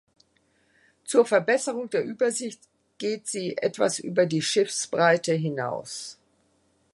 Zur Verbesserung der Übersicht geht sie etwas über die Schiffsbreite hinaus.